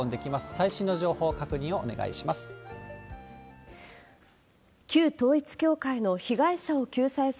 最新の情報、確認をお願いします。